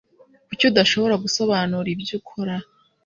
Kuki udashobora gusobanura ibyo ukora?